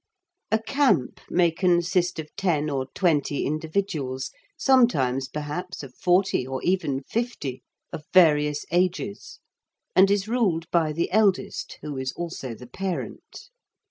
A "camp" may consist of ten or twenty individuals, sometimes, perhaps, of forty, or even fifty, of various ages, and is ruled by the eldest, who is also the parent.